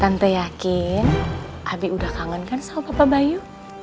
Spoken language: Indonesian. tante yakin abi udah kangen kan sama papa bayu